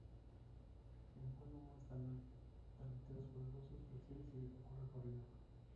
En vuelo muestran aleteos poderosos, flexibles y de poco recorrido.